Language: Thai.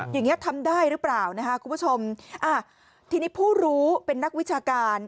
อย่างนี้ทำได้หรือเปล่าทีนี้ผู้รู้เป็นนักวิชาการ